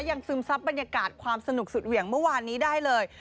ซึมซับบรรยากาศความสนุกสุดเหวี่ยงเมื่อวานนี้ได้เลย